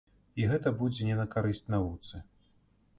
І гэта будзе не на карысць навуцы.